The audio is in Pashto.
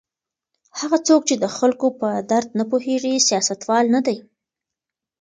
هغه څوک چې د خلکو په درد نه پوهیږي سیاستوال نه دی.